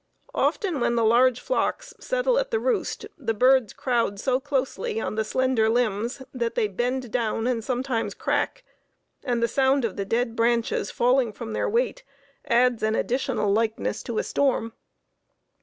Often when the large flocks settle at the roost the birds crowd so closely on the slender limbs that they bend down and sometimes crack, and the sound of the dead branches falling from their weight adds an additional likeness to a storm.